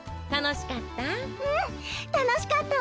たのしかった？